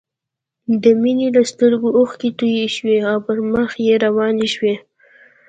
د مينې له سترګو اوښکې توې شوې او پر مخ يې روانې شوې